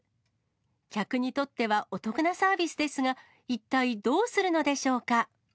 客にとってはお得なサービスですが、一体どうするのでしょうか。